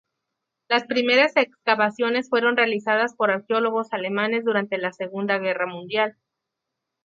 Las primeras excavaciones fueron realizadas por arqueólogos alemanes durante la Segunda Guerra Mundial.